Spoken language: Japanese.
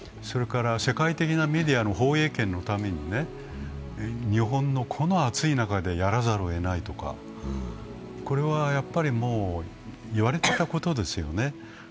それから世界的なメディアの放映権のためにね、日本のこの暑い中でやらざるをえないとか、これは、もう言われていたことですよね。